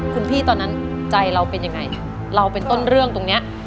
คุณพี่ตอนนั้นใจเราเป็นยังไงเราเป็นต้นเรื่องตรงนี้